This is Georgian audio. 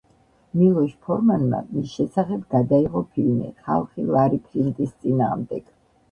მილოშ ფორმანმა მის შესახებ გადაიღო ფილმი „ხალხი ლარი ფლინტის წინააღმდეგ“.